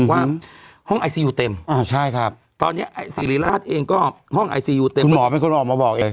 ว่าห้องไอซียูเต็มตอนนี้สิริราชเองก็ห้องไอซียูเต็มหมอเป็นคนออกมาบอกเอง